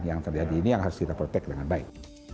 yang terjadi ini yang harus kita protect dengan baik